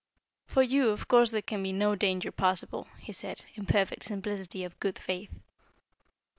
"For you, of course there can be no danger possible," he said, in perfect simplicity of good faith.